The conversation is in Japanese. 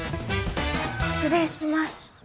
失礼します。